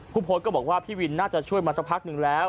ผู้โพสต์ก็บอกว่าพี่วินน่าจะช่วยมาสักพักหนึ่งแล้ว